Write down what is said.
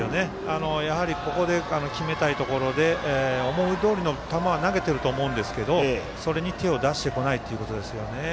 やはり決めたいところで思いどおりの球は投げていると思うんですけれどもそれに手を出してこないということですよね。